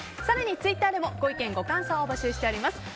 ツイッターでもご意見、ご感想を募集しております。